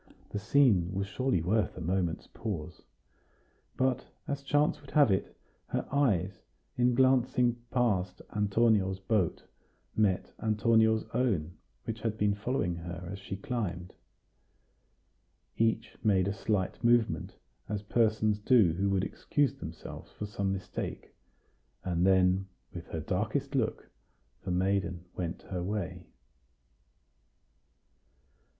The scene was surely worth a moment's pause. But, as chance would have it, her eyes, in glancing past Antonio's boat, met Antonio's own, which had been following her as she climbed. Each made a slight movement, as persons do who would excuse themselves for some mistake; and then, with her darkest look, the maiden went her way.